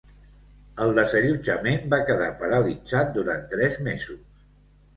El desallotjament va quedar paralitzat durant tres mesos.